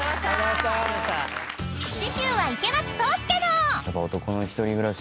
［次週は池松壮亮の］